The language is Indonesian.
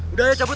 udah ya cabut